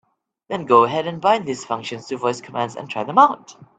Then go ahead and bind these functions to voice commands and try them out.